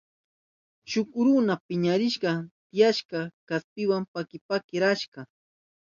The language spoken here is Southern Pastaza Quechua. Shuk runa piñarishpan tinahata kaspiwa paki paki rurashka.